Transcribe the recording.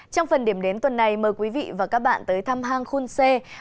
trong phần điểm đến tuần này mời quý vị và các bạn tới thăm hang khunse